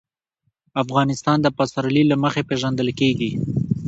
افغانستان د پسرلی له مخې پېژندل کېږي.